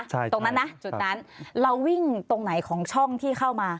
ตรงนั้นนะจุดนั้นเราวิ่งตรงไหนของช่องที่เข้ามา